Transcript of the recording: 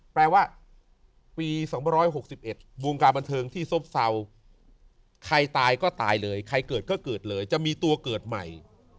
แปลว่าปี๒๖๑วงการบันเทิงที่ซบเศร้าใครตายก็ตายเลยใครเกิดก็เกิดเลยจะมีตัวเกิดใหม่